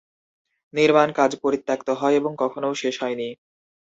নির্মাণ কাজ পরিত্যক্ত হয় এবং কখনও শেষ হয়নি।